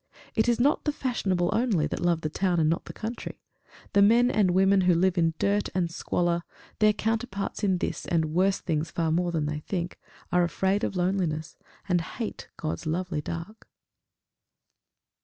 It is not the fashionable only that love the town and not the country; the men and women who live in dirt and squalor their counterparts in this and worse things far more than they think are afraid of loneliness, and hate God's lovely dark.